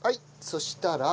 そしたら。